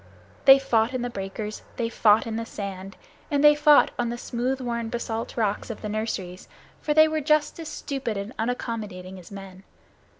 They fought in the breakers, they fought in the sand, and they fought on the smooth worn basalt rocks of the nurseries, for they were just as stupid and unaccommodating as men.